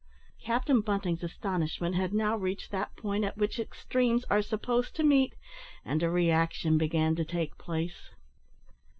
Captain Bunting's astonishment had now reached that point at which extremes are supposed to meet, and a reaction began to take place.